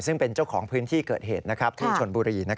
ซึ่งเป็นเจ้าของพื้นที่เกิดเหตุที่ชนบุรี